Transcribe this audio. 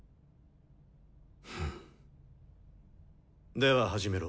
では始めろ。